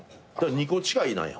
２個違いなんや。